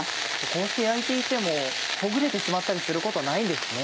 こうして焼いていてもほぐれてしまったりすることはないんですね。